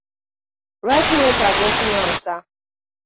Lwaki wetaaga okuyonsa?